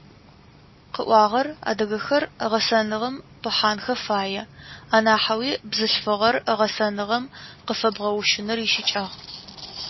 Къыӏуагъэр: адыгэхэр гъэсэныгъэм пыхьанхэ фае, анахьэуи, бзылъфыгъэр гъэсэныгъэм къыфэбгъэущыныр ищыкӏагъ.